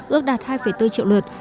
ước đạt hai bốn triệu lượt